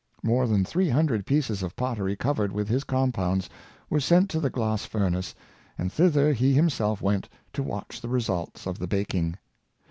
More than three hundred pieces of pottery covered with his compounds were sent to the glass furnace, and thither he himself went to watch the results of the baking.